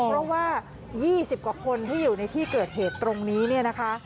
เพราะว่า๒๐กว่าคนที่อยู่ในที่เกิดเหตุตรงนี้เนี่ยนะคะ